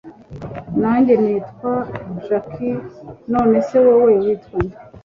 nanjye nitwa jack, nonese wowe witwa nde!